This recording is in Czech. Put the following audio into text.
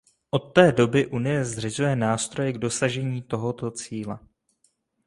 Od té doby Unie zřizuje nástroje k dosažení tohoto cíle.